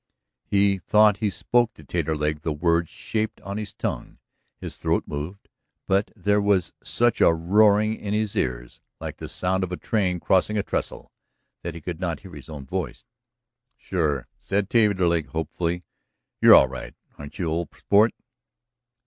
He thought he spoke to Taterleg; the words shaped on his tongue, his throat moved. But there was such a roaring in his ears, like the sound of a train crossing a trestle, that he could not hear his own voice. "Sure," said Taterleg, hopefully, "you're all right, ain't you, old sport?"